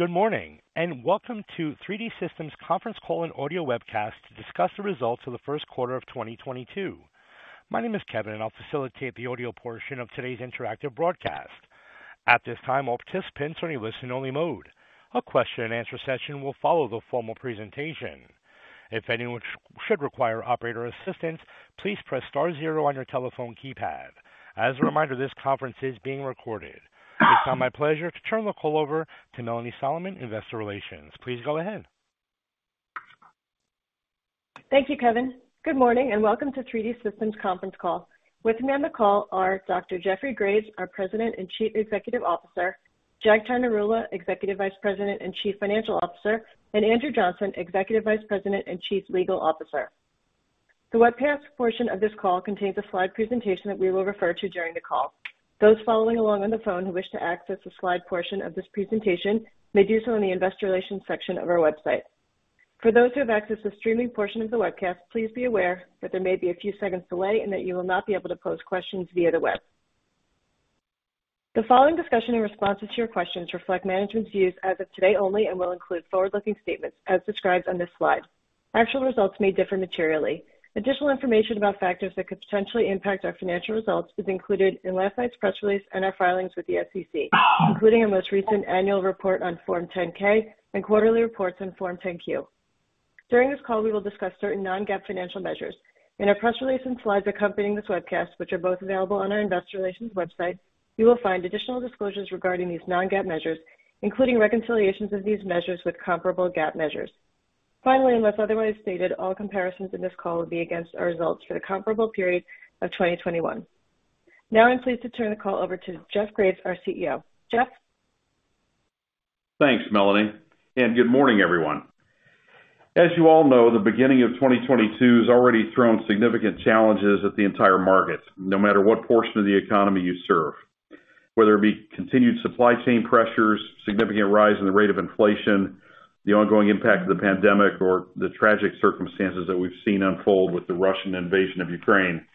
Good morning, and welcome to 3D Systems conference call and audio webcast to discuss the results Q1 of 2022. My name is Kevin, and I'll facilitate the audio portion of today's interactive broadcast. At this time, all participants are in a listen-only mode. A question-and-answer session will follow the formal presentation. If anyone should require operator assistance, please press star zero on your telephone keypad. As a reminder, this conference is being recorded. It's now my pleasure to turn the call over to Melanie Solomon, Investor Relations. Please go ahead. Thank you, Kevin. Good morning and welcome to 3D Systems conference call. With me on the call are Dr. Jeffrey Graves, our President and Chief Executive Officer, Jagtar Narula, Executive Vice President and Chief Financial Officer, and Andrew Johnson, Executive Vice President and Chief Legal Officer. The webcast portion of this call contains a slide presentation that we will refer to during the call. Those following along on the phone who wish to access the slide portion of this presentation may do so in the investor relations section of our website. For those who have accessed the streaming portion of the webcast, please be aware that there may be a few seconds delay and that you will not be able to pose questions via the web. The following discussion and responses to your questions reflect management's views as of today only and will include forward-looking statements as described on this slide. Actual results may differ materially. Additional information about factors that could potentially impact our financial results is included in last night's press release and our filings with the SEC, including our most recent annual report on Form 10-K and quarterly reports on Form 10-Q. During this call, we will discuss certain non-GAAP financial measures. In our press release and slides accompanying this webcast, which are both available on our investor relations website, you will find additional disclosures regarding these non-GAAP measures, including reconciliations of these measures with comparable GAAP measures. Finally, unless otherwise stated, all comparisons in this call will be against our results for the comparable period of 2021. Now I'm pleased to turn the call over to Jeff Graves, our CEO. Jeff? Thanks, Melanie, and good morning, everyone. As you all know, the beginning of 2022 has already thrown significant challenges at the entire market, no matter what portion of the economy you serve. Whether it be continued supply chain pressures, significant rise in the rate of inflation, the ongoing impact of the pandemic, or the tragic circumstances that we've seen unfold with the Russian invasion of Ukraine,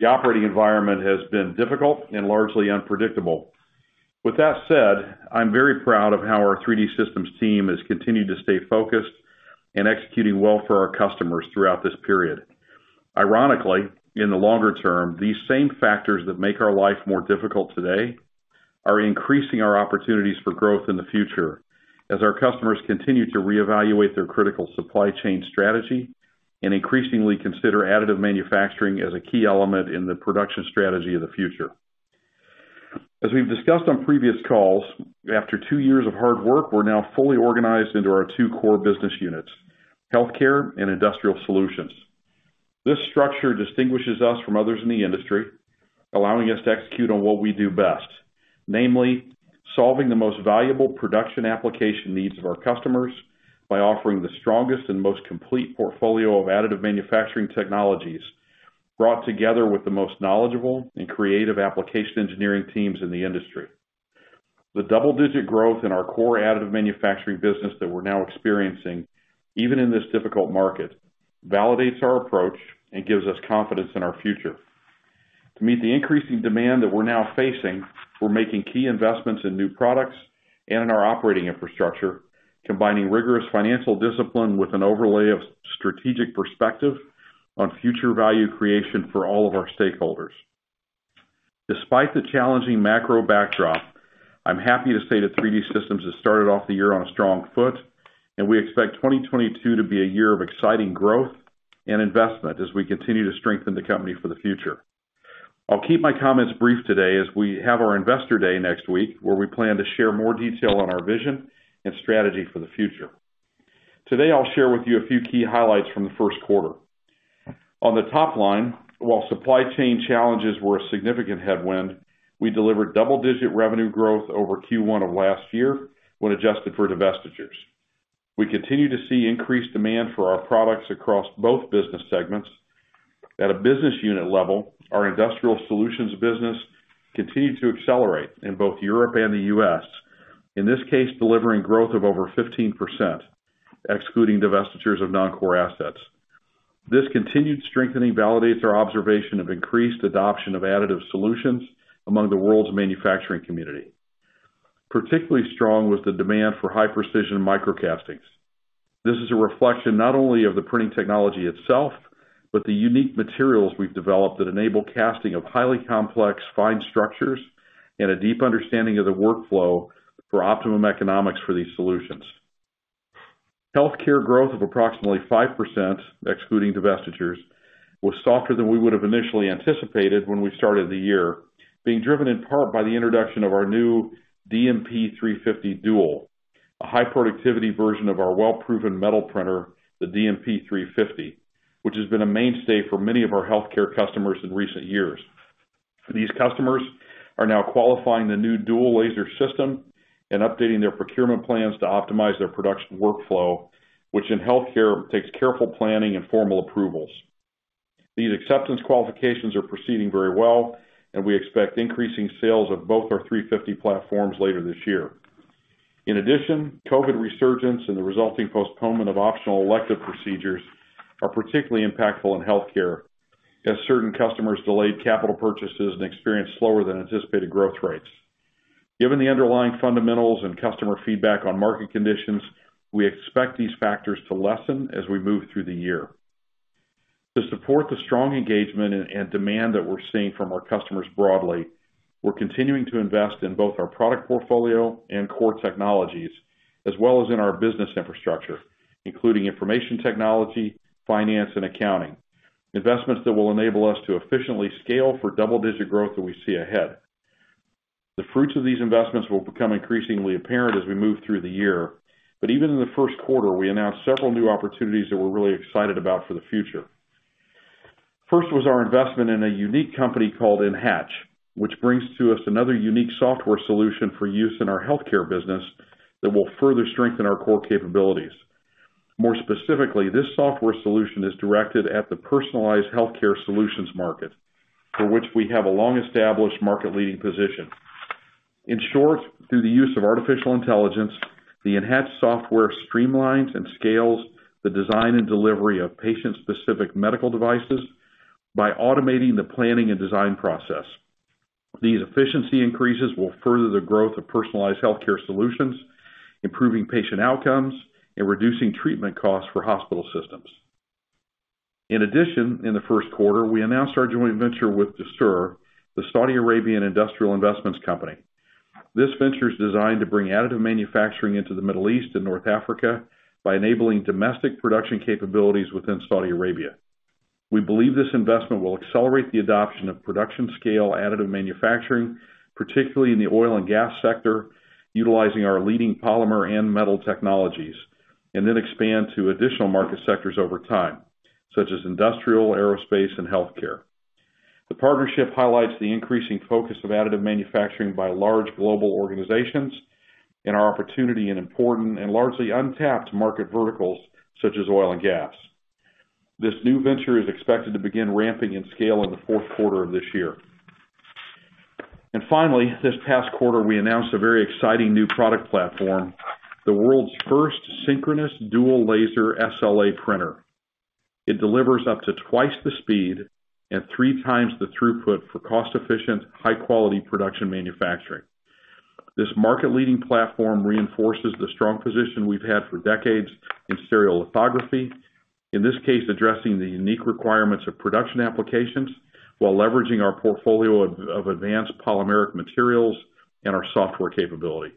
the operating environment has been difficult and largely unpredictable. With that said, I'm very proud of how our 3D Systems team has continued to stay focused and executing well for our customers throughout this period. Ironically, in the longer term, these same factors that make our life more difficult today are increasing our opportunities for growth in the future as our customers continue to reevaluate their critical supply chain strategy and increasingly consider additive manufacturing as a key element in the production strategy of the future. As we've discussed on previous calls, after two years of hard work, we're now fully organized into our two core business units, healthcare and industrial solutions. This structure distinguishes us from others in the industry, allowing us to execute on what we do best, namely, solving the most valuable production application needs of our customers by offering the strongest and most complete portfolio of additive manufacturing technologies brought together with the most knowledgeable and creative application engineering teams in the industry. The double-digit growth in our core additive manufacturing business that we're now experiencing, even in this difficult market, validates our approach and gives us confidence in our future. To meet the increasing demand that we're now facing, we're making key investments in new products and in our operating infrastructure, combining rigorous financial discipline with an overlay of strategic perspective on future value creation for all of our stakeholders. Despite the challenging macro backdrop, I'm happy to say that 3D Systems has started off the year on a strong foot, and we expect 2022 to be a year of exciting growth and investment as we continue to strengthen the company for the future. I'll keep my comments brief today as we have our Investor Day next week, where we plan to share more detail on our vision and strategy for the future. Today, I'll share with you a few key highlights from Q1. On the top line, while supply chain challenges were a significant headwind, we delivered double-digit revenue growth over Q1 of last year when adjusted for divestitures. We continue to see increased demand for our products across both business segments. At a business unit level, our industrial solutions business continued to accelerate in both Europe and the U.S., in this case, delivering growth of over 15%, excluding divestitures of non-core assets. This continued strengthening validates our observation of increased adoption of additive solutions among the world's manufacturing community. Particularly strong was the demand for high-precision micro castings. This is a reflection not only of the printing technology itself, but the unique materials we've developed that enable casting of highly complex fine structures and a deep understanding of the workflow for optimum economics for these solutions. Healthcare growth of approximately 5%, excluding divestitures, was softer than we would have initially anticipated when we started the year, being driven in part by the introduction of our new DMP Flex 350 Dual, a high-productivity version of our well-proven metal printer, the DMP Flex 350, which has been a mainstay for many of our healthcare customers in recent years. These customers are now qualifying the new dual laser system and updating their procurement plans to optimize their production workflow, which in healthcare takes careful planning and formal approvals. These acceptance qualifications are proceeding very well, and we expect increasing sales of both our 350 platforms later this year. In addition, COVID resurgence and the resulting postponement of optional elective procedures are particularly impactful in healthcare. As certain customers delayed capital purchases and experienced slower than anticipated growth rates. Given the underlying fundamentals and customer feedback on market conditions, we expect these factors to lessen as we move through the year. To support the strong engagement and demand that we're seeing from our customers broadly, we're continuing to invest in both our product portfolio and core technologies, as well as in our business infrastructure, including information technology, finance and accounting, investments that will enable us to efficiently scale for double-digit growth that we see ahead. The fruits of these investments will become increasingly apparent as we move through the year. Even in Q1, we announced several new opportunities that we're really excited about for the future. First was our investment in a unique company called Enhatch, which brings to us another unique software solution for use in our healthcare business that will further strengthen our core capabilities. More specifically, this software solution is directed at the personalized healthcare solutions market, for which we have a long-established market-leading position. In short, through the use of artificial intelligence, the Enhatch software streamlines and scales the design and delivery of patient-specific medical devices by automating the planning and design process. These efficiency increases will further the growth of personalized healthcare solutions, improving patient outcomes and reducing treatment costs for hospital systems. In addition, in Q1, we announced our joint venture with Dussur, the Saudi Arabian industrial investments company. This venture is designed to bring additive manufacturing into the Middle East and North Africa by enabling domestic production capabilities within Saudi Arabia. We believe this investment will accelerate the adoption of production-scale additive manufacturing, particularly in the oil and gas sector, utilizing our leading polymer and metal technologies, and then expand to additional market sectors over time, such as industrial, aerospace, and healthcare. The partnership highlights the increasing focus of additive manufacturing by large global organizations and our opportunity in important and largely untapped market verticals such as oil and gas. This new venture is expected to begin ramping in scale in Q4 of this year. Finally, this past quarter, we announced a very exciting new product platform, the world's first synchronous dual-laser SLA printer. It delivers up to twice the speed and three times the throughput for cost-efficient, high-quality production manufacturing. This market-leading platform reinforces the strong position we've had for decades in stereolithography, in this case, addressing the unique requirements of production applications while leveraging our portfolio of advanced polymeric materials and our software capability.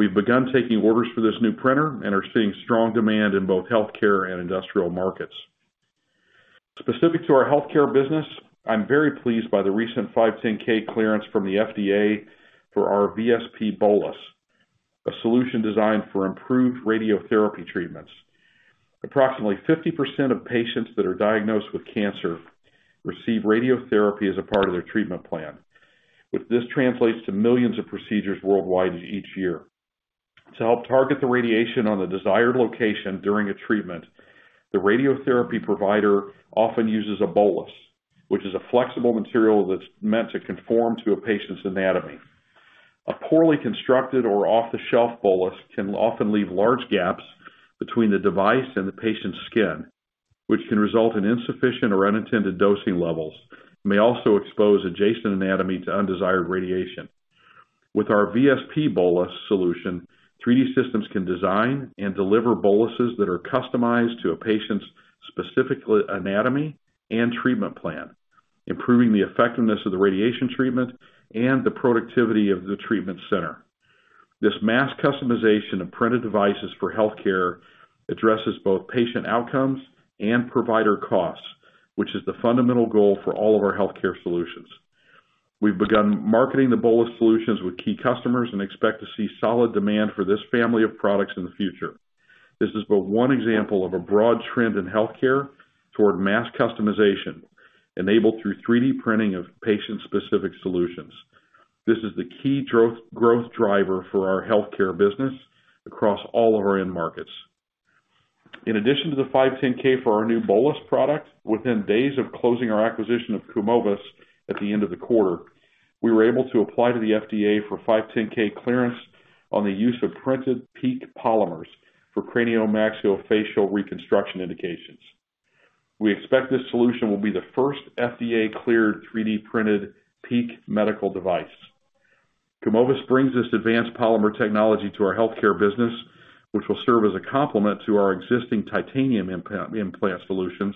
We've begun taking orders for this new printer and are seeing strong demand in both healthcare and industrial markets. Specific to our healthcare business, I'm very pleased by the recent 510(k) clearance from the FDA for our VSP Bolus, a solution designed for improved radiotherapy treatments. Approximately 50% of patients that are diagnosed with cancer receive radiotherapy as a part of their treatment plan. This translates to millions of procedures worldwide each year. To help target the radiation on the desired location during a treatment, the radiotherapy provider often uses a bolus, which is a flexible material that's meant to conform to a patient's anatomy. A poorly constructed or off-the-shelf bolus can often leave large gaps between the device and the patient's skin, which can result in insufficient or unintended dosing levels. May also expose adjacent anatomy to undesired radiation. With our VSP Bolus solution, 3D Systems can design and deliver boluses that are customized to a patient's specific anatomy and treatment plan, improving the effectiveness of the radiation treatment and the productivity of the treatment center. This mass customization of printed devices for healthcare addresses both patient outcomes and provider costs, which is the fundamental goal for all of our healthcare solutions. We've begun marketing the Bolus solutions with key customers and expect to see solid demand for this family of products in the future. This is but one example of a broad trend in healthcare toward mass customization enabled through 3D printing of patient-specific solutions. This is the key growth driver for our healthcare business across all of our end markets. In addition to the 510(k) for our new Bolus product, within days of closing our acquisition of Kumovis at the end of the quarter, we were able to apply to the FDA for 510(k) clearance on the use of printed PEEK polymers for craniomaxillofacial reconstruction indications. We expect this solution will be the first FDA-cleared 3D-printed PEEK medical device. Kumovis brings this advanced polymer technology to our healthcare business, which will serve as a complement to our existing titanium implant solutions,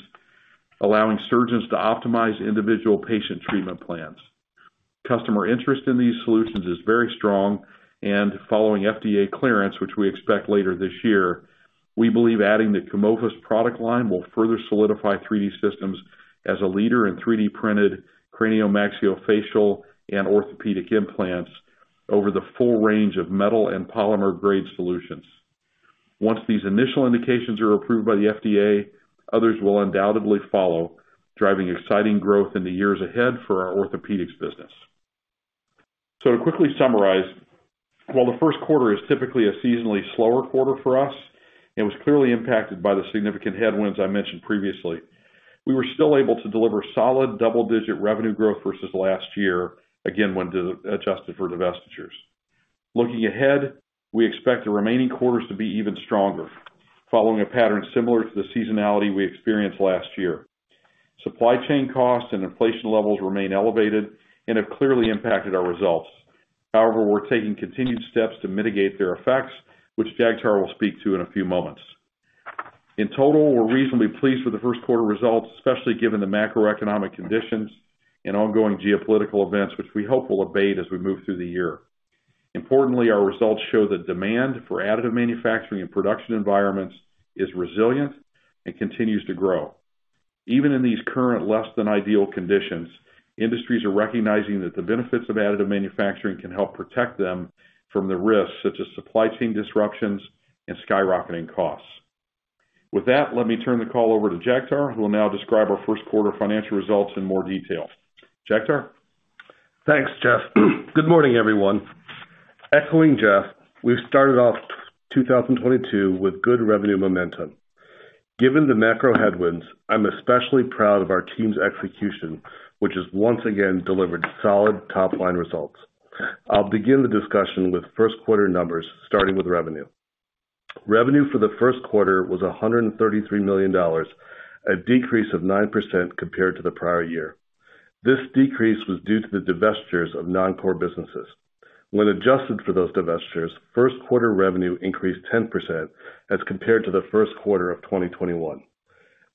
allowing surgeons to optimize individual patient treatment plans. Customer interest in these solutions is very strong, and following FDA clearance, which we expect later this year, we believe adding the Kumovis product line will further solidify 3D Systems as a leader in 3D-printed craniomaxillofacial and orthopedic implants over the full range of metal and polymer grade solutions. Once these initial indications are approved by the FDA, others will undoubtedly follow, driving exciting growth in the years ahead for our orthopedics business. To quickly summarize, while the first quarter is typically a seasonally slower quarter for us, it was clearly impacted by the significant headwinds I mentioned previously. We were still able to deliver solid double-digit revenue growth versus last year, again, when FX-adjusted for divestitures. Looking ahead, we expect the remaining quarters to be even stronger, following a pattern similar to the seasonality we experienced last year. Supply chain costs and inflation levels remain elevated and have clearly impacted our results. However, we're taking continued steps to mitigate their effects, which Jagtar will speak to in a few moments. In total, we're reasonably pleased with Q1 results, especially given the macroeconomic conditions and ongoing geopolitical events, which we hope will abate as we move through the year. Importantly, our results show that demand for additive manufacturing and production environments is resilient and continues to grow. Even in these current less than ideal conditions, industries are recognizing that the benefits of additive manufacturing can help protect them from the risks such as supply chain disruptions and skyrocketing costs. With that, let me turn the call over to Jagtar, who will now describe our Q1 financial results in more detail. Jagtar? Thanks, Jeff. Good morning, everyone. Echoing Jeff, we've started off 2022 with good revenue momentum. Given the macro headwinds, I'm especially proud of our team's execution, which has once again delivered solid top-line results. I'll begin the discussion with Q1 numbers, starting with revenue. Revenue for Q1 was $133 million, a decrease of 9% compared to the prior year. This decrease was due to the divestitures of non-core businesses. When adjusted for those divestitures, Q1 revenue increased 10% as compared to Q1 of 2021.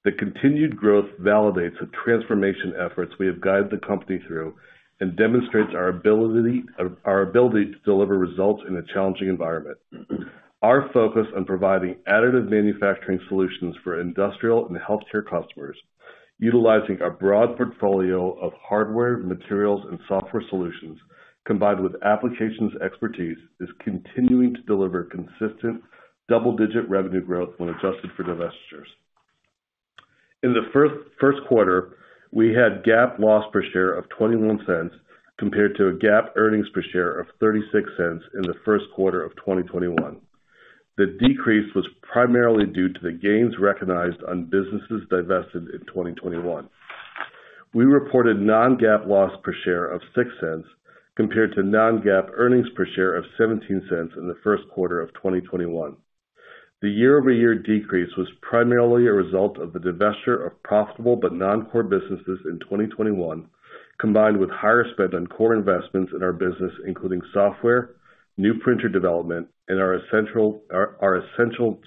The continued growth validates the transformation efforts we have guided the company through and demonstrates our ability to deliver results in a challenging environment. Our focus on providing additive manufacturing solutions for industrial and healthcare customers, utilizing our broad portfolio of hardware, materials, and software solutions, combined with applications expertise, is continuing to deliver consistent double-digit revenue growth when adjusted for divestitures. In Q1, we had GAAP loss per share of $0.21 compared to a GAAP earnings per share of $0.36 in Q1 of 2021. The decrease was primarily due to the gains recognized on businesses divested in 2021. We reported non-GAAP loss per share of $0.06 compared to non-GAAP earnings per share of $0.17 in Q1 of 2021. The year-over-year decrease was primarily a result of the divestiture of profitable but non-core businesses in 2021, combined with higher spend on core investments in our business, including software, new printer development, and our essential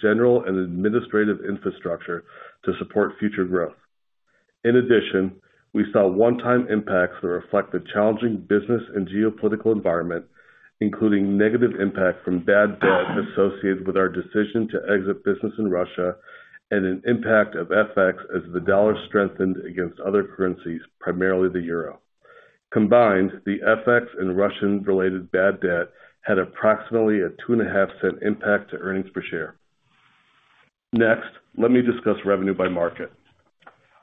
general and administrative infrastructure to support future growth. In addition, we saw one-time impacts that reflect the challenging business and geopolitical environment, including negative impact from bad debt associated with our decision to exit business in Russia and an impact of FX as the dollar strengthened against other currencies, primarily the euro. Combined, the FX and Russian-related bad debt had approximately a $0.025 impact to earnings per share. Next, let me discuss revenue by market.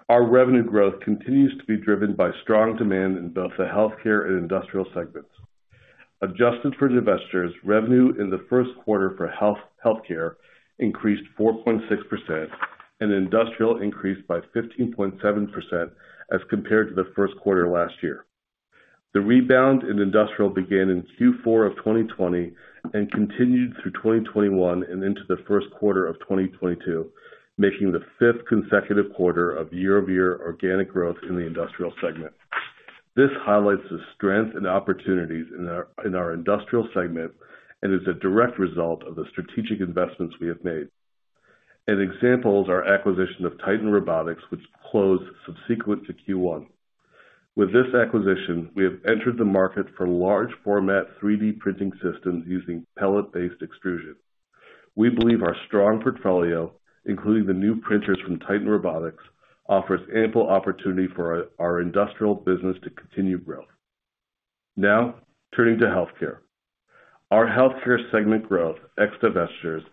Our revenue growth continues to be driven by strong demand in both the healthcare and industrial segments. Adjusted for divestitures, revenue in Q1 for healthcare increased 4.6% and industrial increased by 15.7% as compared to Q1 last year. The rebound in industrial began in Q4 of 2020 and continued through 2021 and into Q1 of 2022, making the fifth consecutive quarter of year-over-year organic growth in the industrial segment. This highlights the strength and opportunities in our industrial segment and is a direct result of the strategic investments we have made. An example is our acquisition of Titan Robotics, which closed subsequent to Q1. With this acquisition, we have entered the market for large format 3D printing systems using pellet-based extrusion. We believe our strong portfolio, including the new printers from Titan Robotics, offers ample opportunity for our industrial business to continue growth. Now, turning to healthcare. Our healthcare segment growth, ex divestitures,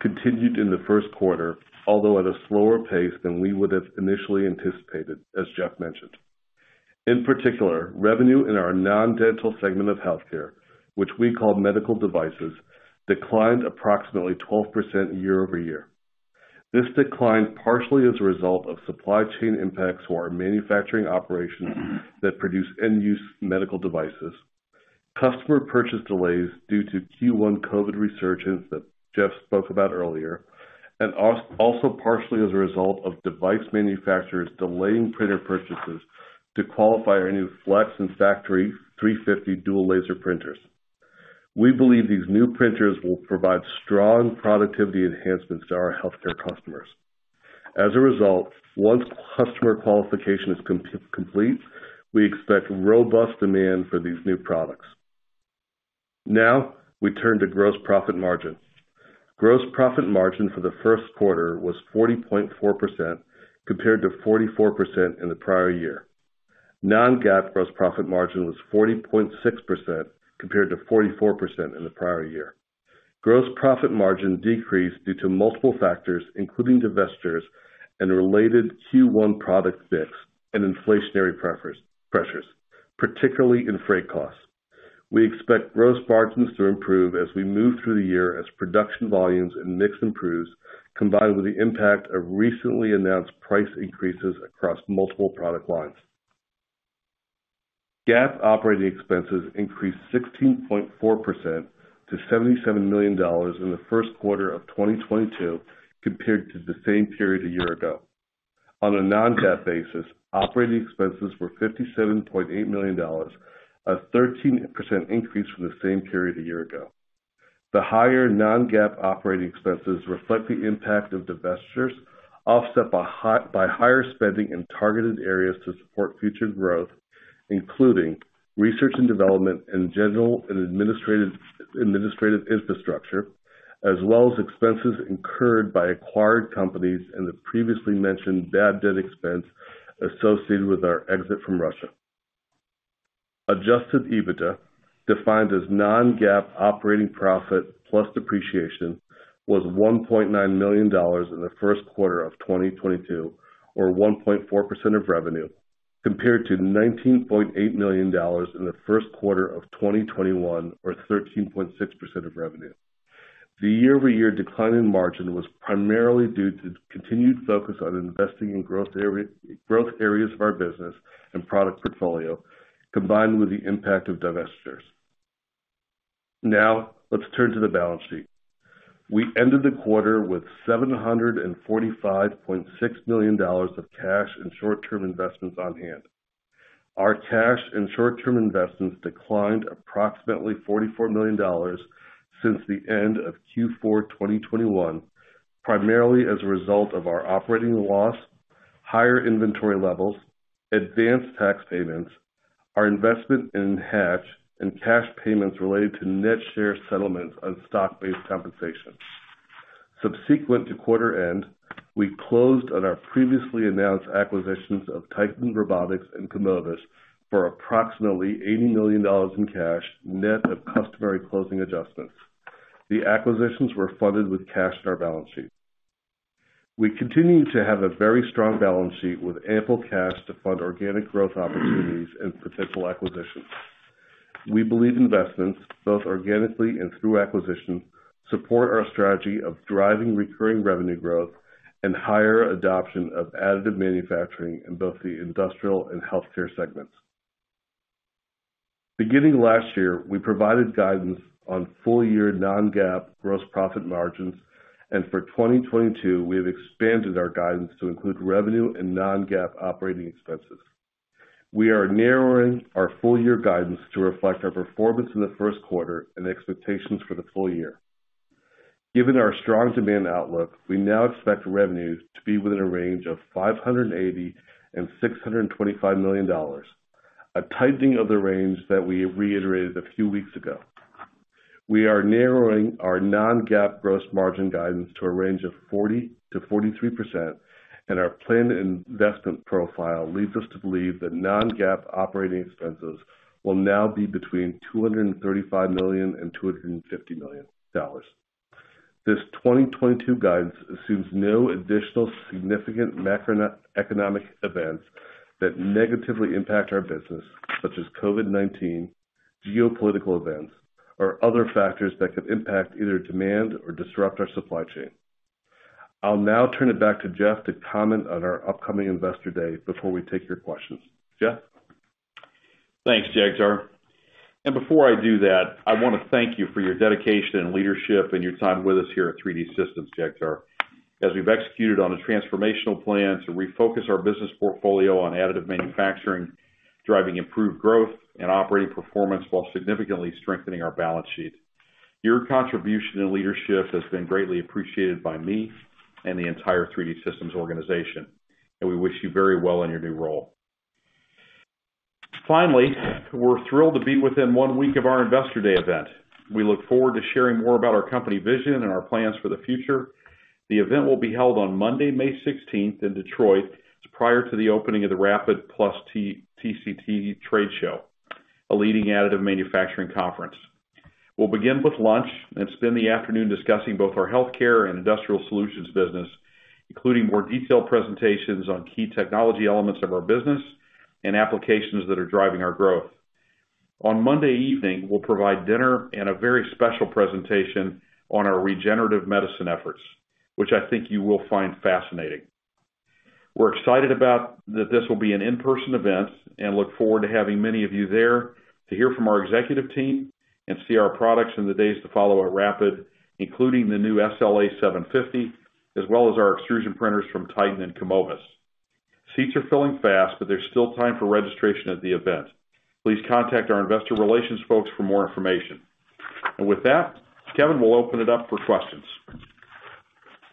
continued in Q1, although at a slower pace than we would have initially anticipated, as Jeff mentioned. In particular, revenue in our non-dental segment of healthcare, which we call medical devices, declined approximately 12% year-over-year. This declined partially as a result of supply chain impacts for our manufacturing operations that produce end-use medical devices. Customer purchase delays due to Q1 COVID-19 resurgence that Jeff spoke about earlier, and also partially as a result of device manufacturers delaying printer purchases to qualify our new Flex and Factory 350 dual-laser printers. We believe these new printers will provide strong productivity enhancements to our healthcare customers. As a result, once customer qualification is complete, we expect robust demand for these new products. Now we turn to gross profit margin. Gross profit margin for Q1 was 40.4% compared to 44% in the prior year. Non-GAAP gross profit margin was 40.6% compared to 44% in the prior year. Gross profit margin decreased due to multiple factors, including divestitures and related Q1 product mix and inflationary pressures, particularly in freight costs. We expect gross margins to improve as we move through the year as production volumes and mix improves, combined with the impact of recently announced price increases across multiple product lines. GAAP operating expenses increased 16.4% to $77 million in Q1 of 2022 compared to the same period a year ago. On a non-GAAP basis, operating expenses were $57.8 million, a 13% increase from the same period a year ago. The higher non-GAAP operating expenses reflect the impact of divestitures, offset by higher spending in targeted areas to support future growth, including research and development and general and administrative infrastructure, as well as expenses incurred by acquired companies and the previously mentioned bad debt expense associated with our exit from Russia. Adjusted EBITDA, defined as non-GAAP operating profit plus depreciation, was $1.9 million in Q1 of 2022, or 1.4% of revenue, compared to $19.8 million in Q1 of 2021, or 13.6% of revenue. The year-over-year decline in margin was primarily due to continued focus on investing in growth areas of our business and product portfolio, combined with the impact of divestitures. Now let's turn to the balance sheet. We ended the quarter with $745.6 million of cash and short-term investments on hand. Our cash and short-term investments declined approximately $44 million since the end of Q4 2021, primarily as a result of our operating loss, higher inventory levels, advanced tax payments, our investment in Enhatch, and cash payments related to net share settlements on stock-based compensation. Subsequent to quarter end, we closed on our previously announced acquisitions of Titan Robotics and Kumovis for approximately $80 million in cash, net of customary closing adjustments. The acquisitions were funded with cash in our balance sheet. We continue to have a very strong balance sheet with ample cash to fund organic growth opportunities and potential acquisitions. We believe investments, both organically and through acquisitions, support our strategy of driving recurring revenue growth and higher adoption of additive manufacturing in both the industrial and healthcare segments. Beginning last year, we provided guidance on full-year non-GAAP gross profit margins, and for 2022, we have expanded our guidance to include revenue and non-GAAP operating expenses. We are narrowing our full-year guidance to reflect our performance in Q1 and expectations for the full year. Given our strong demand outlook, we now expect revenues to be within a range of $580 million-$625 million, a tightening of the range that we reiterated a few weeks ago. We are narrowing our non-GAAP gross margin guidance to a range of 40%-43%, and our planned investment profile leads us to believe that non-GAAP operating expenses will now be between $235 million and $250 million. This 2022 guidance assumes no additional significant macroeconomic events that negatively impact our business, such as COVID-19, geopolitical events, or other factors that could impact either demand or disrupt our supply chain. I'll now turn it back to Jeff to comment on our upcoming Investor Day before we take your questions. Jeff? Thanks, Jagtar. Before I do that, I want to thank you for your dedication and leadership and your time with us here at 3D Systems, Jagtar. As we've executed on a transformational plan to refocus our business portfolio on additive manufacturing, driving improved growth and operating performance while significantly strengthening our balance sheet. Your contribution and leadership has been greatly appreciated by me and the entire 3D Systems organization, and we wish you very well in your new role. Finally, we're thrilled to be within one week of our Investor Day event. We look forward to sharing more about our company vision and our plans for the future. The event will be held on Monday, May sixteenth in Detroit. It's prior to the opening of the RAPID + TCT Trade Show, a leading additive manufacturing conference. We'll begin with lunch and spend the afternoon discussing both our healthcare and industrial solutions business, including more detailed presentations on key technology elements of our business and applications that are driving our growth. On Monday evening, we'll provide dinner and a very special presentation on our regenerative medicine efforts, which I think you will find fascinating. We're excited about that this will be an in-person event and look forward to having many of you there to hear from our executive team and see our products in the days to follow at RAPID, including the new SLA 750, as well as our extrusion printers from Titan and Kumovis. Seats are filling fast, but there's still time for registration at the event. Please contact our investor relations folks for more information. With that, Kevin, we'll open it up for questions.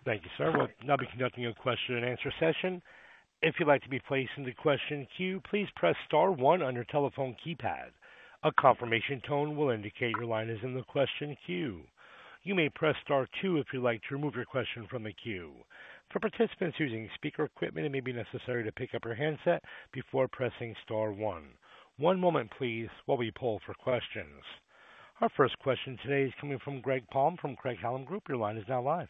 Thank you, sir. We'll now be conducting a question-and-answer session. If you'd like to be placed in the question queue, please press star one on your telephone keypad. A confirmation tone will indicate your line is in the question queue. You may press star two if you'd like to remove your question from the queue. For participants using speaker equipment, it may be necessary to pick up your handset before pressing star one. One moment, please, while we poll for questions. Our first question today is coming from Greg Palm from Craig-Hallum Capital Group. Your line is now live.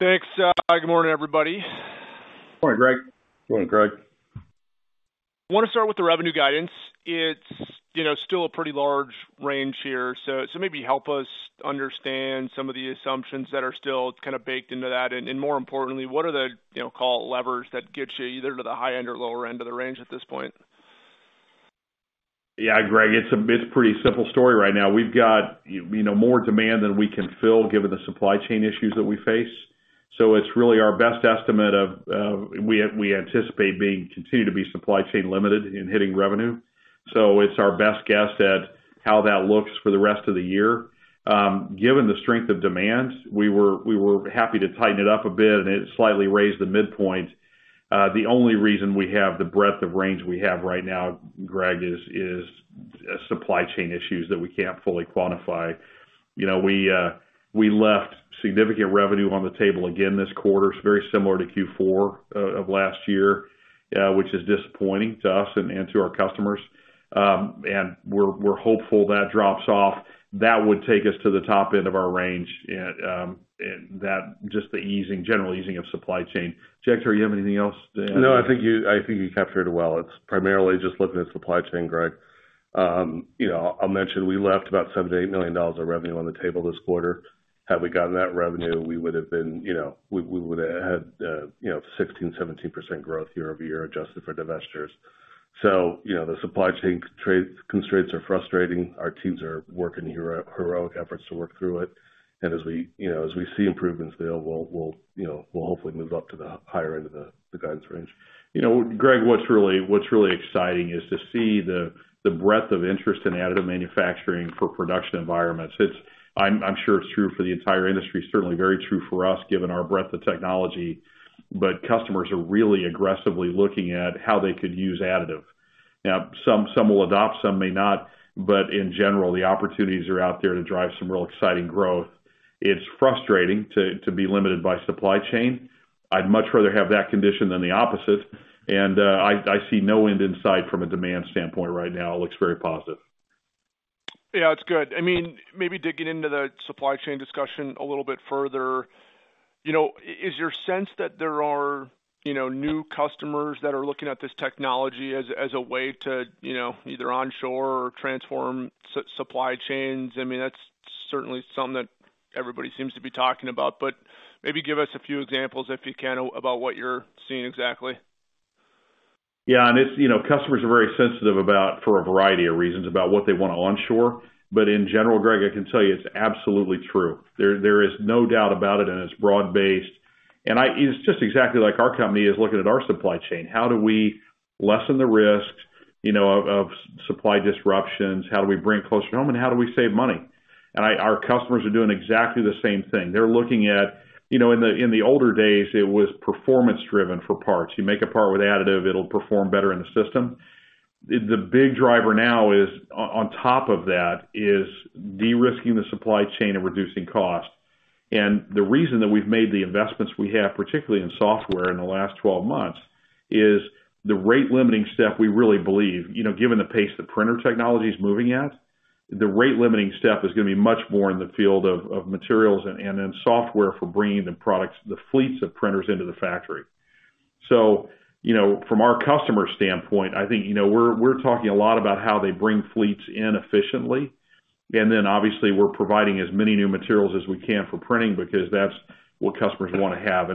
Thanks. Good morning, everybody. Good morning, Greg. Good morning, Greg. I want to start with the revenue guidance. It's, you know, still a pretty large range here. Maybe help us understand some of the assumptions that are still kind of baked into that. More importantly, what are the, you know, call it levers that gets you either to the high end or lower end of the range at this point? Yeah, Greg, it's a pretty simple story right now. We've got, you know, more demand than we can fill given the supply chain issues that we face. It's really our best estimate of what we anticipate continuing to be supply chain limited in hitting revenue. It's our best guess at how that looks for the rest of the year. Given the strength of demand, we were happy to tighten it up a bit, and it slightly raised the midpoint. The only reason we have the breadth of range we have right now, Greg, is supply chain issues that we can't fully quantify. You know, we left significant revenue on the table again this quarter. It's very similar to Q4 of last year, which is disappointing to us and to our customers. We're hopeful that drops off. That would take us to the top end of our range. That just the easing, general easing of supply chain. Jagtar, you have anything else to add? No, I think you captured it well. It's primarily just looking at supply chain, Greg. You know, I'll mention we left about $7 million-$8 million of revenue on the table this quarter. Had we gotten that revenue, we would've been, you know, we would've had, you know, 16%-17% growth year-over-year adjusted for divestitures. You know, the supply chain chain constraints are frustrating. Our teams are working heroic efforts to work through it. As we, you know, as we see improvements there, we'll, you know, we'll hopefully move up to the higher end of the guidance range. You know, Greg, what's really exciting is to see the breadth of interest in additive manufacturing for production environments. I'm sure it's true for the entire industry. It's certainly very true for us given our breadth of technology. Customers are really aggressively looking at how they could use additive. Now, some will adopt, some may not, but in general, the opportunities are out there to drive some real exciting growth. It's frustrating to be limited by supply chain. I'd much rather have that condition than the opposite. I see no end in sight from a demand standpoint right now. It looks very positive. Yeah, it's good. I mean, maybe digging into the supply chain discussion a little bit further, you know, is your sense that there are, you know, new customers that are looking at this technology as a way to, you know, either onshore or transform supply chains? I mean, that's certainly something that everybody seems to be talking about. Maybe give us a few examples, if you can, about what you're seeing exactly. Yeah. It's. You know, customers are very sensitive about, for a variety of reasons, about what they want to onshore. But in general, Greg, I can tell you it's absolutely true. There is no doubt about it, and it's broad-based. It's just exactly like our company is looking at our supply chain. How do we lessen the risk, you know, of supply disruptions? How do we bring it closer to home, and how do we save money? Our customers are doing exactly the same thing. They're looking at, you know, in the older days, it was performance driven for parts. You make a part with additive, it'll perform better in the system. The big driver now is, on top of that, de-risking the supply chain and reducing cost. The reason that we've made the investments we have, particularly in software in the last 12 months, is the rate limiting step we really believe. You know, given the pace that printer technology is moving at, the rate limiting step is gonna be much more in the field of materials and in software for bringing the products, the fleets of printers into the factory. You know, from our customer standpoint, I think, you know, we're talking a lot about how they bring fleets in efficiently. Then obviously we're providing as many new materials as we can for printing because that's what customers want to have.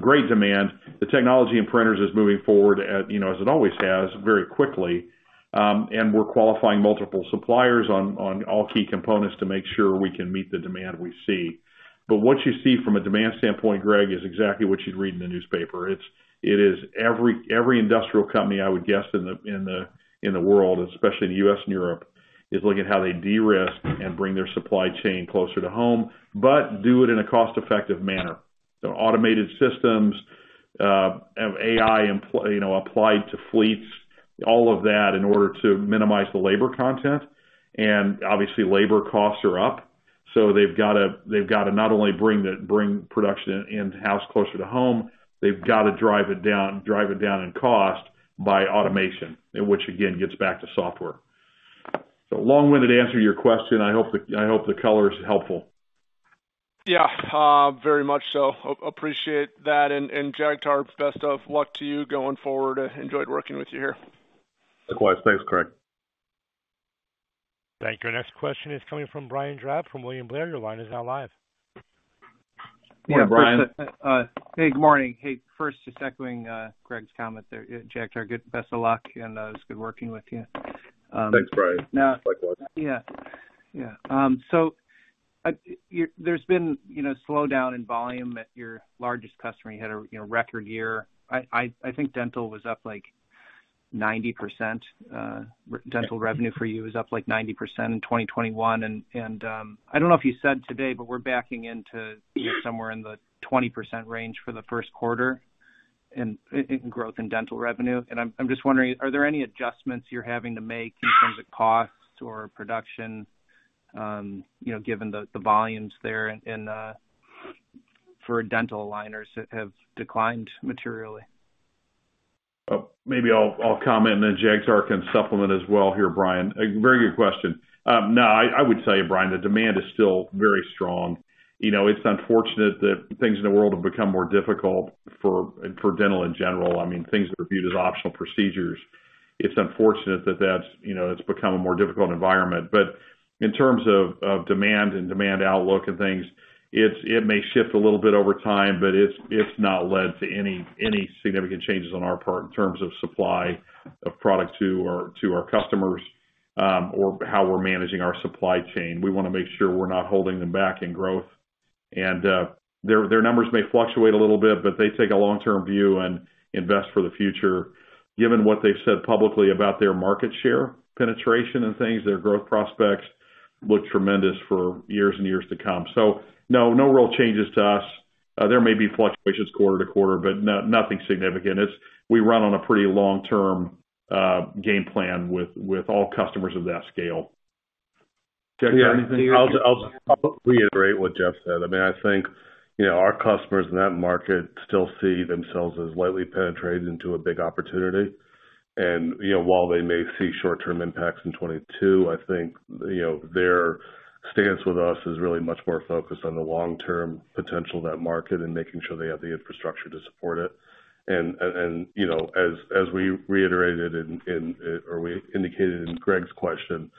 Great demand. The technology in printers is moving forward, you know, as it always has, very quickly. We're qualifying multiple suppliers on all key components to make sure we can meet the demand we see. What you see from a demand standpoint, Greg, is exactly what you'd read in the newspaper. It is every industrial company, I would guess, in the world, especially in the U.S. and Europe, is looking at how they de-risk and bring their supply chain closer to home, but do it in a cost-effective manner. Automated systems, AI, you know, applied to fleets, all of that in order to minimize the labor content. Obviously, labor costs are up, so they've got to not only bring production in-house closer to home, they've got to drive it down in cost by automation, and which again, gets back to software. Long-winded answer to your question. I hope the color is helpful. Yeah, very much so. Appreciate that. Jagtar, best of luck to you going forward. Enjoyed working with you here. Likewise. Thanks, Greg. Thank you. Next question is coming from Brian Drab from William Blair. Your line is now live. Good morning, Brian. Hey, good morning. Hey, first, just echoing Greg's comment there, Jagtar, best of luck, and it's good working with you. Thanks, Brian. Now- Likewise. Yeah. Yeah. There's been, you know, slowdown in volume at your largest customer. You had a, you know, record year. I think dental was up, like, 90%. Dental revenue for you is up, like, 90% in 2021. I don't know if you said today, but we're backing into somewhere in the 20% range for Q1 in growth in dental revenue. I'm just wondering, are there any adjustments you're having to make in terms of costs or production, you know, given the volumes there and for dental aligners that have declined materially? Maybe I'll comment, and then Jagtar can supplement as well here, Brian. A very good question. No, I would tell you, Brian, the demand is still very strong. You know, it's unfortunate that things in the world have become more difficult for dental in general. I mean, things are viewed as optional procedures. It's unfortunate that that's, you know, it's become a more difficult environment. In terms of demand and demand outlook and things, it may shift a little bit over time, but it's not led to any significant changes on our part in terms of supply of product to our customers, or how we're managing our supply chain. We wanna make sure we're not holding them back in growth. Their numbers may fluctuate a little bit, but they take a long-term view and invest for the future. Given what they've said publicly about their market share penetration and things, their growth prospects look tremendous for years and years to come. No real changes to us. There may be fluctuations quarter to quarter, but nothing significant. We run on a pretty long-term game plan with all customers of that scale. Jagtar, anything you'd like to add? Yeah. I'll just reiterate what Jeff said. I mean, I think, you know, our customers in that market still see themselves as lightly penetrated into a big opportunity. You know, while they may see short-term impacts in 2022, I think, you know, their stance with us is really much more focused on the long-term potential of that market and making sure they have the infrastructure to support it. You know, as we reiterated in, or we indicated in Greg's question,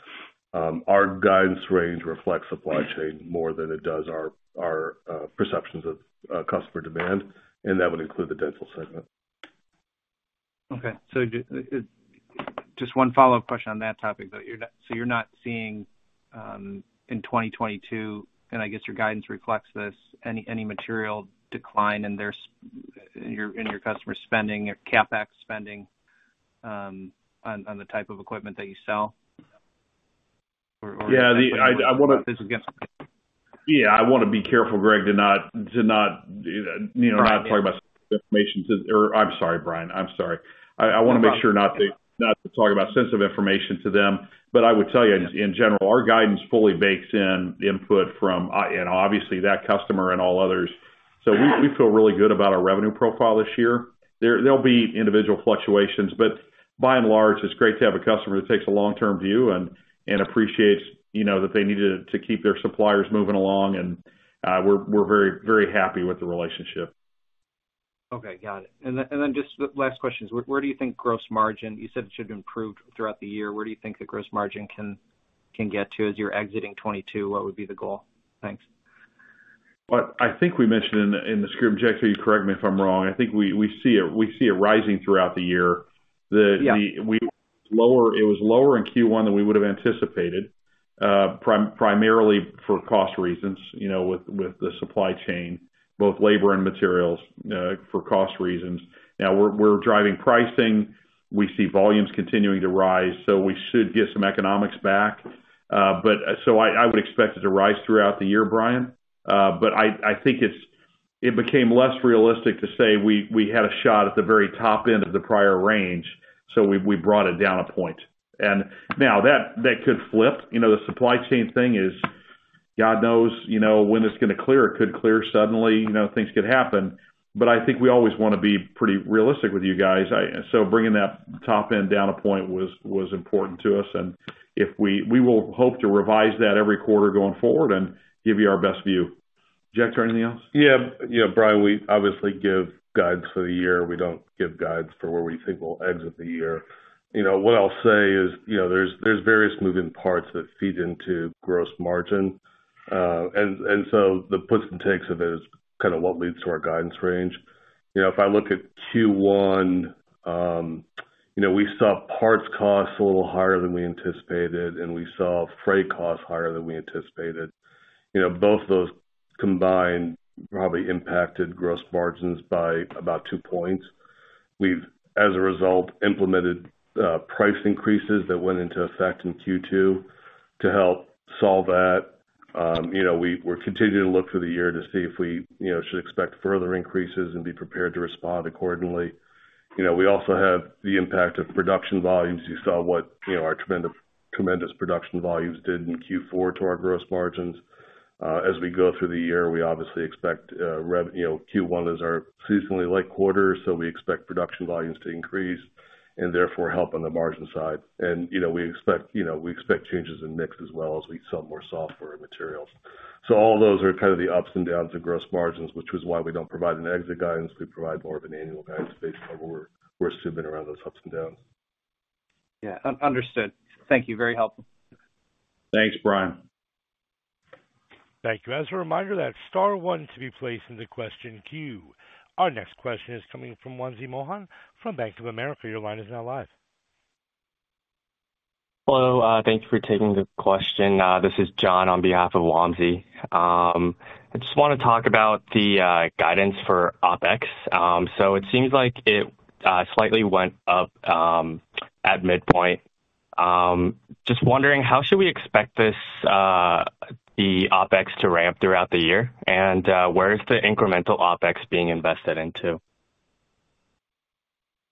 our guidance range reflects supply chain more than it does our perceptions of customer demand, and that would include the dental segment. Okay. Just one follow-up question on that topic. You're not seeing in 2022, and I guess your guidance reflects this, any material decline in your customer spending or CapEx spending on the type of equipment that you sell? Or I wanna be careful, Greg, to not, you know, not talk about information. I'm sorry, Brian. I'm sorry. I wanna make sure not to talk about sensitive information to them. I would tell you in general, our guidance fully bakes in input from, you know, obviously that customer and all others. We feel really good about our revenue profile this year. There'll be individual fluctuations, but by and large, it's great to have a customer that takes a long-term view and appreciates, you know, that they need to keep their suppliers moving along. We're very happy with the relationship. Okay, got it. Just the last question is: Where do you think gross margin? You said it should improve throughout the year. Where do you think the gross margin can get to as you're exiting 2022? What would be the goal? Thanks. Well, I think we mentioned in the script, Jagtar, you correct me if I'm wrong. I think we see it rising throughout the year. Yeah. It was lower in Q1 than we would have anticipated, primarily for cost reasons, you know, with the supply chain, both labor and materials, for cost reasons. Now we're driving pricing. We see volumes continuing to rise, so we should get some economics back. I would expect it to rise throughout the year, Brian. I think it became less realistic to say we had a shot at the very top end of the prior range, so we brought it down a point. Now that could flip, you know, the supply chain thing is, God knows, you know, when it's gonna clear. It could clear suddenly, you know, things could happen. I think we always wanna be pretty realistic with you guys. Bringing that top end down a point was important to us. We will hope to revise that every quarter going forward and give you our best view. Jagtar, anything else? Yeah. Yeah, Brian, we obviously give guidance for the year. We don't give guidance for where we think we'll exit the year. You know, what I'll say is, you know, there's various moving parts that feed into gross margin. The puts and takes of it is kind of what leads to our guidance range. You know, if I look at Q1, you know, we saw parts costs a little higher than we anticipated, and we saw freight costs higher than we anticipated. You know, both those combined probably impacted gross margins by about 2 points. We've, as a result, implemented price increases that went into effect in Q2 to help solve that. You know, we're continuing to look for the year to see if we, you know, should expect further increases and be prepared to respond accordingly. We also have the impact of production volumes. You saw what, you know, our tremendous production volumes did in Q4 to our gross margins. As we go through the year, we obviously expect you know, Q1 is our seasonally light quarter, so we expect production volumes to increase and therefore help on the margin side. You know, we expect changes in mix as well as we sell more software and materials. All those are kind of the ups and downs of gross margins, which is why we don't provide an exit guidance. We provide more of an annual guidance based on where we're assuming around those ups and downs. Yeah. Understood. Thank you. Very helpful. Thanks, Brian. Thank you. As a reminder, that's star one to be placed into question queue. Our next question is coming from Wamsi Mohan from Bank of America. Your line is now live. Hello. Thank you for taking the question. This is John on behalf of Wamsi. I just wanna talk about the guidance for OpEx. It seems like it slightly went up at midpoint. Just wondering how should we expect this OpEx to ramp throughout the year? Where is the incremental OpEx being invested into?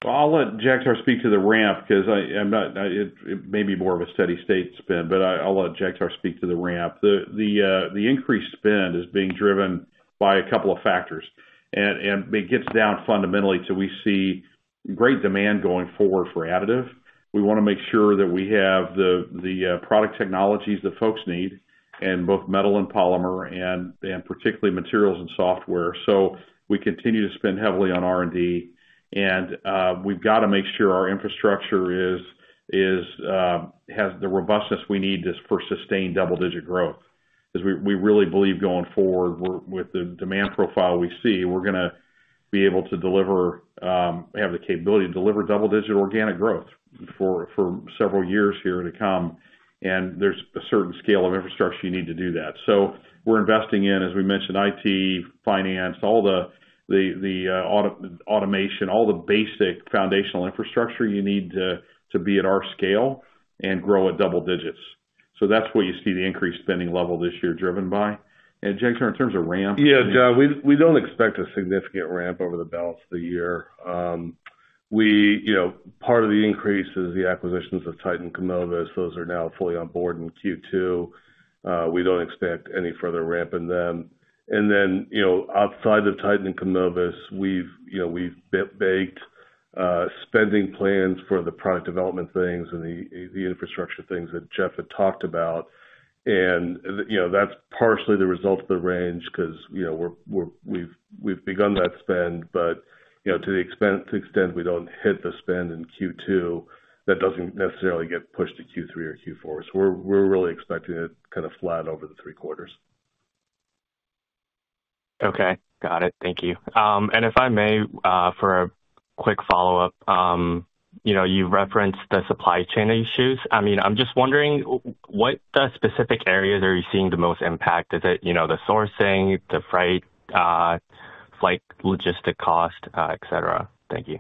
I'll let Jagtar speak to the ramp 'cause I'm not. It may be more of a steady state spend, but I'll let Jagtar speak to the ramp. The increased spend is being driven by a couple of factors. It gets down fundamentally to we see great demand going forward for additive. We wanna make sure that we have the product technologies that folks need in both metal and polymer and particularly materials and software. We continue to spend heavily on R&D. We've got to make sure our infrastructure has the robustness we need for sustained double-digit growth. We really believe going forward, with the demand profile we see, we're gonna be able to deliver, have the capability to deliver double-digit organic growth for several years here to come, and there's a certain scale of infrastructure you need to do that. We're investing in, as we mentioned, IT, finance, all the automation, all the basic foundational infrastructure you need to be at our scale and grow at double digits. That's where you see the increased spending level this year driven by. Jagtar Narula, in terms of ramp- Yeah, John, we don't expect a significant ramp over the balance of the year. We, you know, part of the increase is the acquisitions of Titan and Kumovis. Those are now fully on board in Q2. We don't expect any further ramp in them. You know, outside of Titan and Kumovis, we've baked spending plans for the product development things and the infrastructure things that Jeff had talked about. You know, that's partially the result of the ramp because, you know, we've begun that spend. You know, to the extent we don't hit the spend in Q2, that doesn't necessarily get pushed to Q3 or Q4. We're really expecting it kind of flat over the three quarters. Okay. Got it. Thank you. If I may, for a quick follow-up, you know, you referenced the supply chain issues. I mean, I'm just wondering what specific areas are you seeing the most impact? Is it, you know, the sourcing, the freight, like logistics cost, et cetera? Thank you.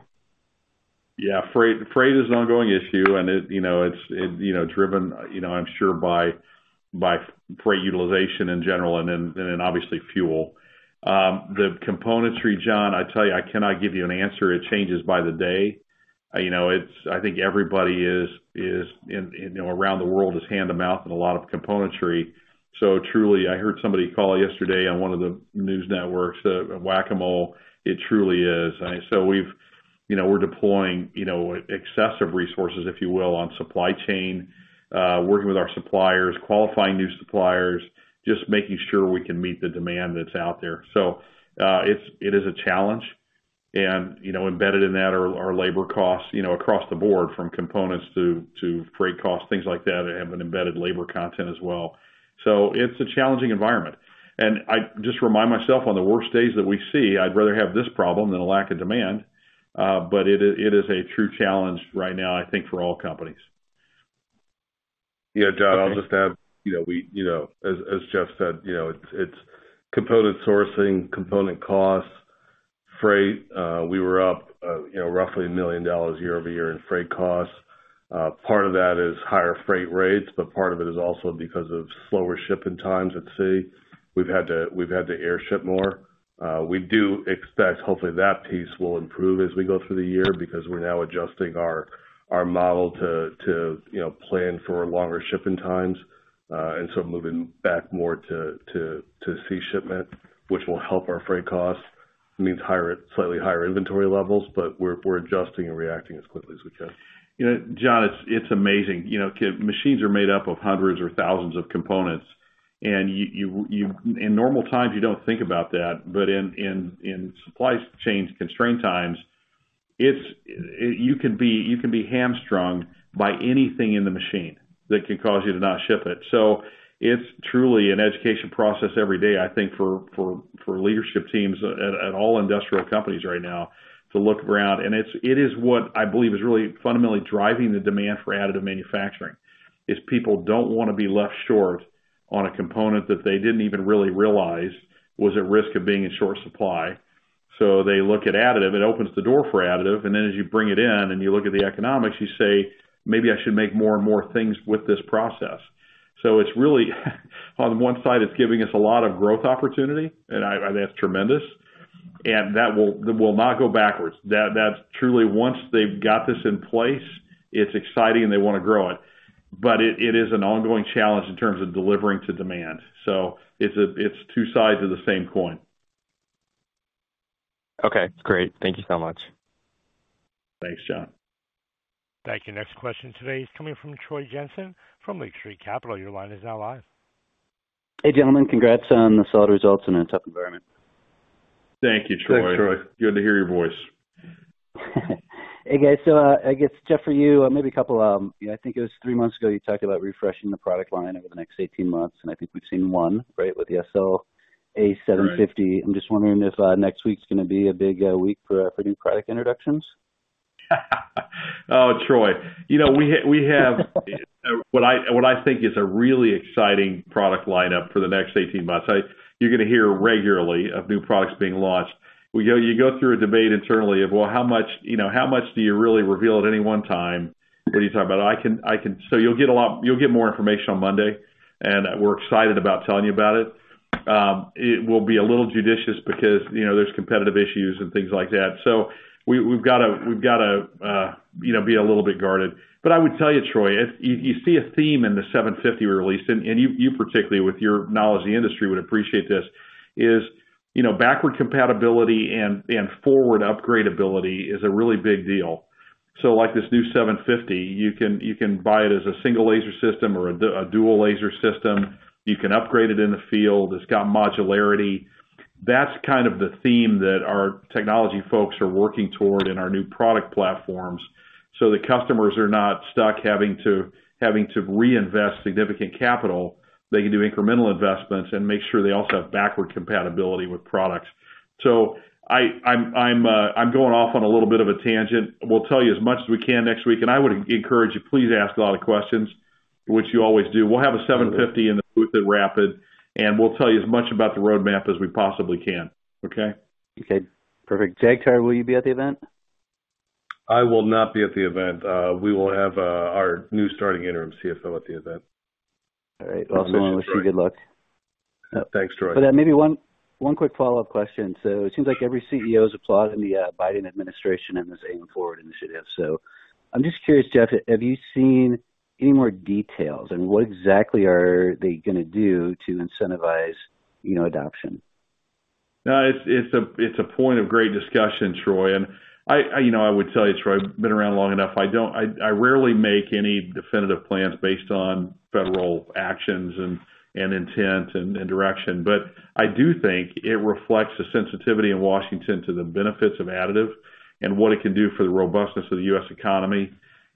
Yeah. Freight is an ongoing issue and it, you know, it's driven, you know, I'm sure by freight utilization in general and then obviously fuel. The componentry, John, I tell you, I cannot give you an answer. It changes by the day. You know, I think everybody around the world is hand-to-mouth in a lot of componentry. So truly, I heard somebody call whack-a-mole yesterday on one of the news networks. It truly is. We're deploying, you know, excessive resources, if you will, on supply chain, working with our suppliers, qualifying new suppliers, just making sure we can meet the demand that's out there. It is a challenge and, you know, embedded in that are labor costs, you know, across the board, from components to freight costs, things like that, have an embedded labor content as well. It's a challenging environment. I just remind myself on the worst days that we see, I'd rather have this problem than a lack of demand. It is a true challenge right now, I think, for all companies. Yeah, John, I'll just add, you know, we, you know, as Jeff said, you know, it's component sourcing, component costs, freight. We were up, you know, roughly $1 million year-over-year in freight costs. Part of that is higher freight rates, but part of it is also because of slower shipping times at sea. We've had to airship more. We do expect, hopefully, that piece will improve as we go through the year because we're now adjusting our model to plan for longer shipping times. Moving back more to sea shipment, which will help our freight costs. It means slightly higher inventory levels, but we're adjusting and reacting as quickly as we can. You know, John, it's amazing. You know, machines are made up of hundreds or thousands of components, and in normal times, you don't think about that. But in supply chain constrained times, it's, you can be hamstrung by anything in the machine that can cause you to not ship it. So it's truly an education process every day, I think for leadership teams at all industrial companies right now to look around. It is what I believe is really fundamentally driving the demand for additive manufacturing, is people don't wanna be left short on a component that they didn't even really realize was at risk of being in short supply. They look at additive, it opens the door for additive, and then as you bring it in and you look at the economics, you say, Maybe I should make more and more things with this process. It's really on one side, it's giving us a lot of growth opportunity, and I think that's tremendous, and that will not go backwards. That's truly once they've got this in place, it's exciting, they wanna grow it. But it is an ongoing challenge in terms of delivering to demand. It's two sides of the same coin. Okay, great. Thank you so much. Thanks, John. Thank you. Next question today is coming from Troy Jensen from Lake Street Capital. Your line is now live. Hey, gentlemen. Congrats on the solid results in a tough environment. Thank you, Troy. Thanks, Troy. Good to hear your voice. Hey, guys. I guess, Jeff, for you, maybe a couple, I think it was three months ago, you talked about refreshing the product line over the next 18 months, and I think we've seen one, right? With the SLA 750. I'm just wondering if next week's gonna be a big week for new product introductions. Oh, Troy. You know, we have what I think is a really exciting product lineup for the next 18 months. You're gonna hear regularly of new products being launched. We go, you go through a debate internally of, well, how much, you know, how much do you really reveal at any one time? What are you talking about? I can. You'll get a lot, you'll get more information on Monday, and we're excited about telling you about it. It will be a little judicious because, you know, there's competitive issues and things like that. We've got to, you know, be a little bit guarded. I would tell you, Troy, if you see a theme in the 750 release, and you particularly with your knowledge of the industry would appreciate this, you know, backward compatibility and forward upgradeability is a really big deal. So like this new 750, you can buy it as a single laser system or a dual laser system. You can upgrade it in the field. It's got modularity. That's kind of the theme that our technology folks are working toward in our new product platforms, so the customers are not stuck having to reinvest significant capital. They can do incremental investments and make sure they also have backward compatibility with products. So I'm going off on a little bit of a tangent. We'll tell you as much as we can next week, and I would encourage you, please ask a lot of questions, which you always do. We'll have a 750 in the booth at RAPID, and we'll tell you as much about the roadmap as we possibly can. Okay? Okay. Perfect. Jagtar Narula, will you be at the event? I will not be at the event. We will have our new starting interim CFO at the event. All right. Also wanna wish you good luck. Thanks, Troy. Maybe one quick follow-up question. It seems like every CEO is applauding the Biden administration and his AM Forward initiative. I'm just curious, Jeff, have you seen any more details? What exactly are they gonna do to incentivize, you know, adoption? No, it's a point of great discussion, Troy. You know, I would tell you, Troy, I've been around long enough. I rarely make any definitive plans based on federal actions and intent and direction. I do think it reflects the sensitivity in Washington to the benefits of additive and what it can do for the robustness of the U.S. economy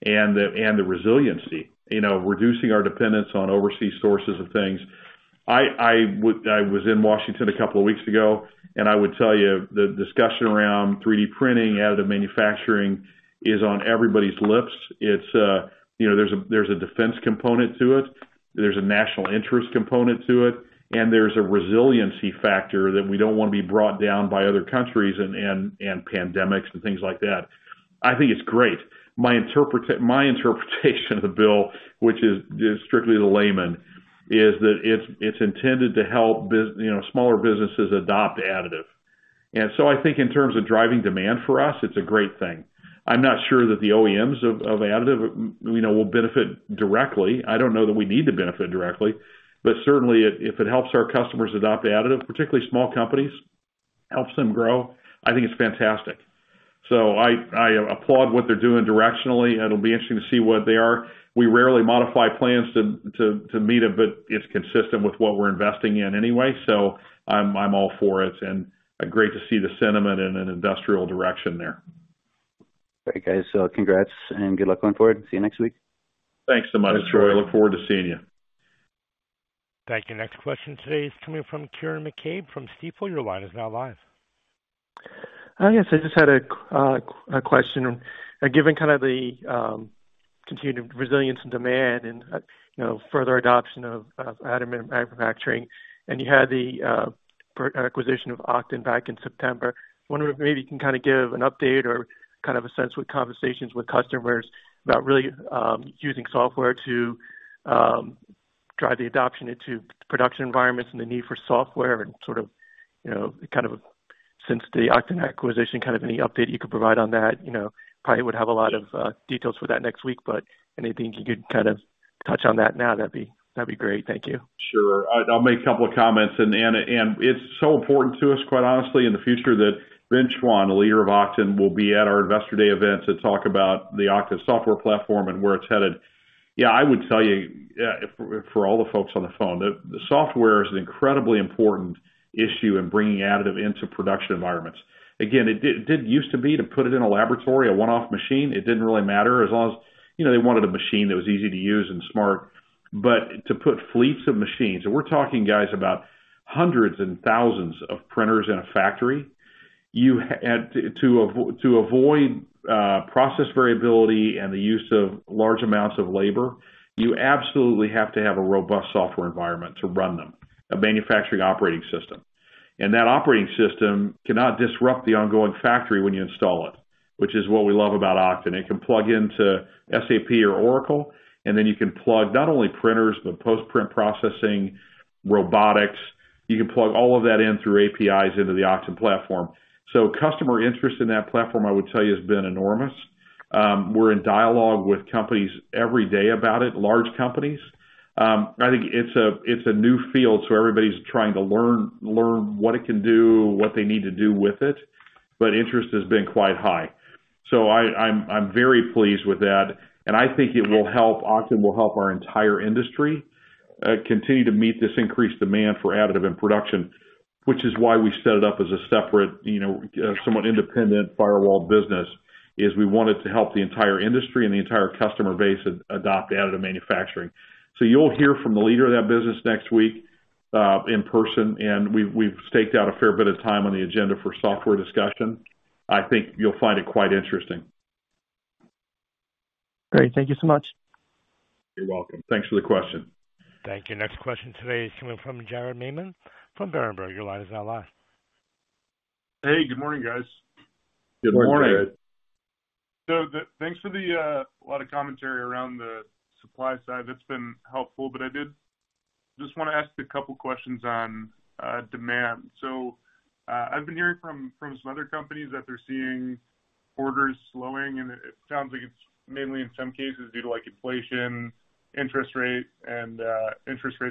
and the resiliency. You know, reducing our dependence on overseas sources of things. I was in Washington a couple of weeks ago, and I would tell you the discussion around 3D printing, additive manufacturing is on everybody's lips. It's you know, there's a defense component to it, there's a national interest component to it, and there's a resiliency factor that we don't wanna be brought down by other countries and pandemics and things like that. I think it's great. My interpretation of the bill, which is strictly the layman, is that it's intended to help smaller businesses adopt additive. I think in terms of driving demand for us, it's a great thing. I'm not sure that the OEMs of additive will benefit directly. I don't know that we need to benefit directly. Certainly if it helps our customers adopt additive, particularly small companies, helps them grow, I think it's fantastic. I applaud what they're doing directionally. It'll be interesting to see what they are. We rarely modify plans to meet it, but it's consistent with what we're investing in anyway, so I'm all for it and great to see the sentiment in an industrial direction there. Great, guys. Congrats and good luck going forward. See you next week. Thanks so much, Troy. Look forward to seeing you. Thank you. Next question today is coming from Kieran McCabe from Stifel. Your line is now live. Yes, I just had a question. Given kind of the continued resilience and demand and, you know, further adoption of additive manufacturing, and you had the acquisition of Oqton back in September. Wondering if maybe you can kind of give an update or kind of a sense with conversations with customers about really using software to drive the adoption into production environments and the need for software and sort of, you know, kind of since the Oqton acquisition, kind of any update you could provide on that. You know, probably would have a lot of details for that next week, but anything you could kind of touch on that now, that'd be great. Thank you. Sure. I'll make a couple of comments. It's so important to us, quite honestly, in the future that Ben Schrauwen, the leader of Oqton, will be at our Investor Day event to talk about the Oqton software platform and where it's headed. Yeah, I would tell you, for all the folks on the phone, the software is an incredibly important issue in bringing additive into production environments. Again, it did use to be to put it in a laboratory, a one-off machine. It didn't really matter as long as, you know, they wanted a machine that was easy to use and smart. To put fleets of machines, and we're talking guys about hundreds and thousands of printers in a factory, you had to avoid process variability and the use of large amounts of labor, you absolutely have to have a robust software environment to run them, a manufacturing operating system. That operating system cannot disrupt the ongoing factory when you install it, which is what we love about Oqton. It can plug into SAP or Oracle, and then you can plug not only printers, but post-print processing, robotics. You can plug all of that in through APIs into the Oqton platform. Customer interest in that platform, I would tell you, has been enormous. We're in dialogue with companies every day about it, large companies. I think it's a new field, so everybody's trying to learn what it can do, what they need to do with it, but interest has been quite high. I'm very pleased with that, and I think it will help. Oqton will help our entire industry continue to meet this increased demand for additive and production, which is why we set it up as a separate, you know, somewhat independent firewalled business, is we wanted to help the entire industry and the entire customer base adopt additive manufacturing. You'll hear from the leader of that business next week, in person. We've staked out a fair bit of time on the agenda for software discussion. I think you'll find it quite interesting. Great. Thank you so much. You're welcome. Thanks for the question. Thank you. Next question today is coming from Jared Maymon from Berenberg. Your line is now live. Hey, good morning, guys. Good morning. Good morning. Thanks for the lot of commentary around the supply side. That's been helpful. I did just wanna ask a couple questions on demand. I've been hearing from some other companies that they're seeing orders slowing, and it sounds like it's mainly in some cases due to like inflation, interest rates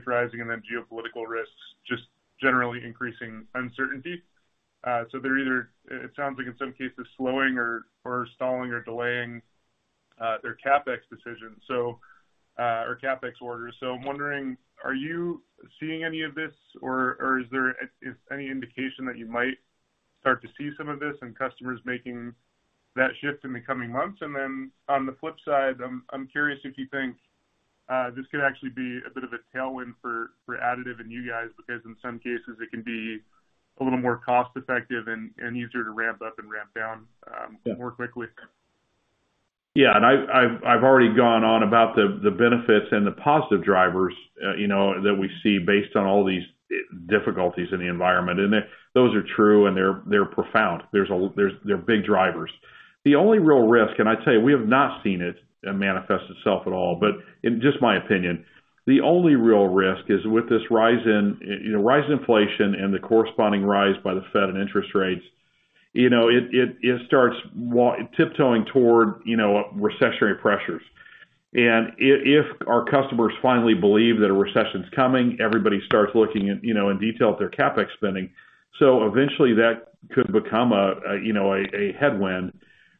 rising and then geopolitical risks just generally increasing uncertainty or in some cases slowing or stalling or delaying their CapEx decisions or CapEx orders. I'm wondering, are you seeing any of this or is there any indication that you might start to see some of this and customers making that shift in the coming months? On the flip side, I'm curious if you think this could actually be a bit of a tailwind for additive and you guys, because in some cases it can be a little more cost effective and easier to ramp up and ramp down more quickly? Yeah. I've already gone on about the benefits and the positive drivers, you know, that we see based on all these difficulties in the environment, and those are true, and they're profound. They're big drivers. The only real risk, and I'd say we have not seen it manifest itself at all, but in just my opinion, the only real risk is with this rise in inflation and the corresponding rise by the Fed and interest rates, you know, it starts tiptoeing toward recessionary pressures. If our customers finally believe that a recession is coming, everybody starts looking, you know, in detail at their CapEx spending. Eventually that could become a headwind.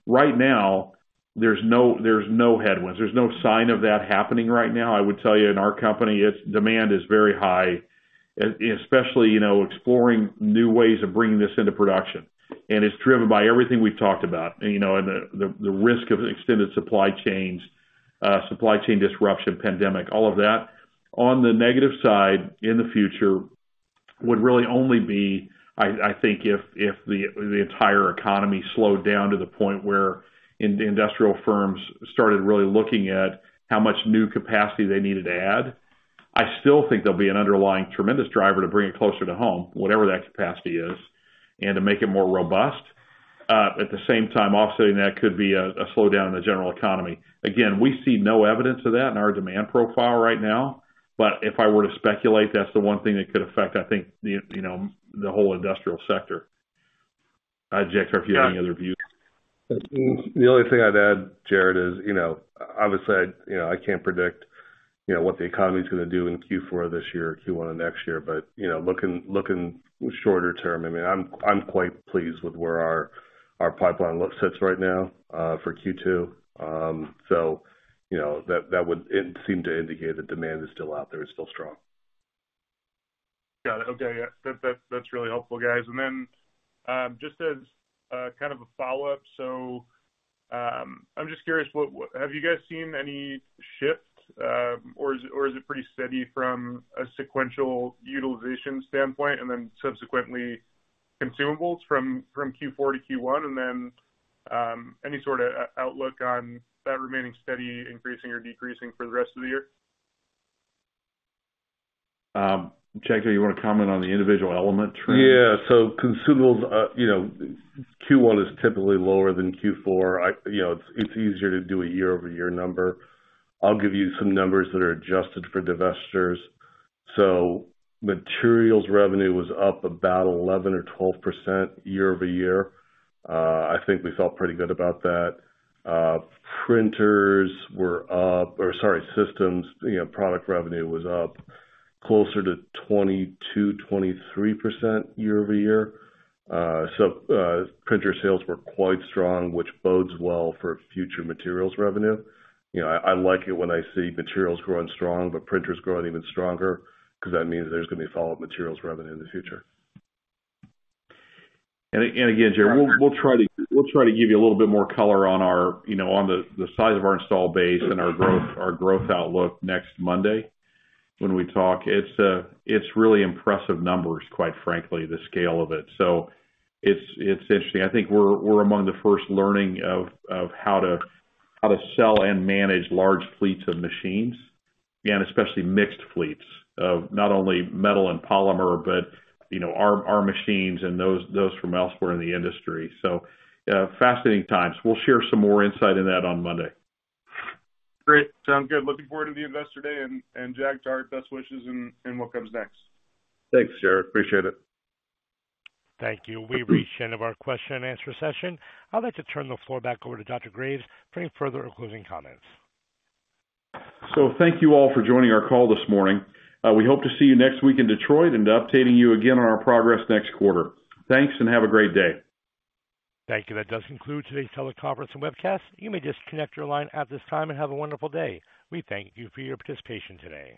Right now, there's no headwinds. There's no sign of that happening right now. I would tell you in our company, it's demand is very high, especially, you know, exploring new ways of bringing this into production. It's driven by everything we've talked about, you know, and the risk of extended supply chains, supply chain disruption, pandemic, all of that. On the negative side, in the future, would really only be, I think if the entire economy slowed down to the point where the industrial firms started really looking at how much new capacity they needed to add. I still think there'll be an underlying tremendous driver to bring it closer to home, whatever that capacity is, and to make it more robust. At the same time, offsetting that could be a slowdown in the general economy. Again, we see no evidence of that in our demand profile right now. If I were to speculate, that's the one thing that could affect, I think the, you know, the whole industrial sector. Jag, I don't know if you have any other views. The only thing I'd add, Jared, is, you know, obviously I can't predict, you know, what the economy is gonna do in Q4 this year or Q1 of next year. You know, looking shorter term, I mean, I'm quite pleased with where our pipeline sits right now for Q2. You know, that would seem to indicate that demand is still out there, is still strong. Got it. Okay. Yeah. That's really helpful, guys. Just as kind of a follow-up. I'm just curious, have you guys seen any shift, or is it pretty steady from a sequential utilization standpoint, and then subsequently consumables from Q4 to Q1? Any sort of outlook on that remaining steady, increasing or decreasing for the rest of the year? Jag, you wanna comment on the individual element trend? Yeah. Consumables, you know, Q1 is typically lower than Q4. You know, it's easier to do a year-over-year number. I'll give you some numbers that are adjusted for divestitures. Materials revenue was up about 11 or 12% year-over-year. I think we felt pretty good about that. Systems, you know, product revenue was up closer to 22, 23% year-over-year. Printer sales were quite strong, which bodes well for future materials revenue. You know, I like it when I see materials growing strong, but printers growing even stronger, 'cause that means there's gonna be follow-up materials revenue in the future. Again, Jared, we'll try to give you a little bit more color on the size of our install base and our growth outlook next Monday when we talk. It's really impressive numbers, quite frankly, the scale of it. It's interesting. I think we're among the first learning of how to sell and manage large fleets of machines, and especially mixed fleets of not only metal and polymer, but our machines and those from elsewhere in the industry. Fascinating times. We'll share some more insight in that on Monday. Great. Sounds good. Looking forward to the Investor Day. Jag, to our best wishes in what comes next. Thanks, Jared. Appreciate it. Thank you. We've reached the end of our question and answer session. I'd like to turn the floor back over to Dr. Graves for any further concluding comments. Thank you all for joining our call this morning. We hope to see you next week in Detroit and updating you again on our progress next quarter. Thanks and have a great day. Thank you. That does conclude today's teleconference and webcast. You may disconnect your line at this time and have a wonderful day. We thank you for your participation today.